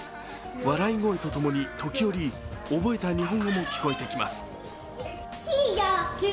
笑い声とともに、時折覚えた日本語も聞こえてきます。